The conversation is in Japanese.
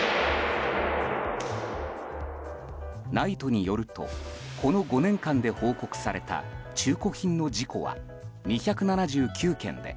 ＮＩＴＥによるとこの５年間で報告された中古品の事故は２７９件で